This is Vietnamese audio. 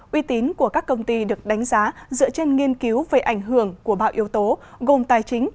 uy tín của các công ty được đánh giá dựa trên nghiên cứu về ảnh hưởng của bạo yếu tố gồm tài chính